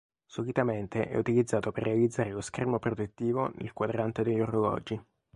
Solitamente è utilizzato per realizzare lo schermo protettivo del quadrante degli orologi.